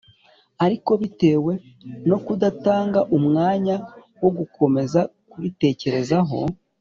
; ariko bitewe no kudatanga umwanya wo gukomeza kuritekerezaho,